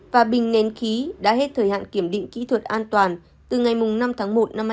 và bình nén khí đã hết thời hạn kiểm định kỹ thuật an toàn từ ngày năm tháng một năm hai nghìn hai mươi